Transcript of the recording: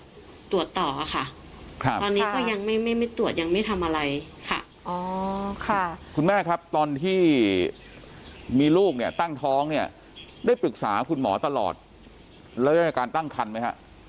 หาข้อมูลหลายอย่างมารวมกันและคือนี่ก็ก็ถึงจะตรวจตรวจต่อค่ะถ้าเร